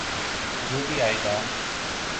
جو بھی آئے گا۔